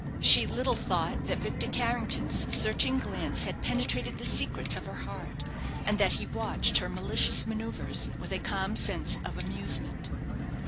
She little thought that Victor Carrington's searching glance had penetrated the secrets of her heart; and that he watched her malicious manoeuvres with a calm sense of amusement.